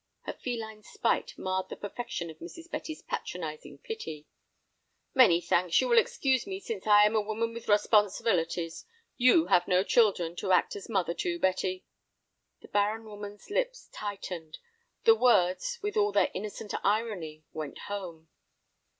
Her feline spite marred the perfection of Mrs. Betty's patronizing pity. "Many thanks. You will excuse me, since I am a woman with responsibilities. You have no children to act as mother to, Betty." The barren woman's lips tightened. The words, with all their innocent irony, went home.